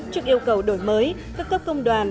trước yêu cầu đổi mới các cấp công đoàn